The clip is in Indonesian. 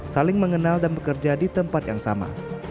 saling mengenal dan bekerja di tempat yang sama